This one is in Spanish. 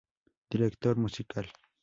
Director musical;